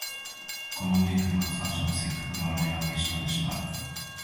この名句の発案者の折角の笑いが消し飛んでしまう